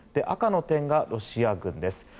赤の点がロシア軍です。